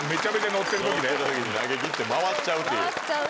ノッてる時投げきって回っちゃうっていう。